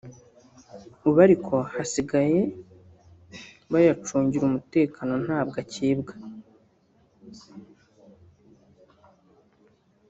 ubu ariko basigaye bayacungira umutekano ntabwo akibwa”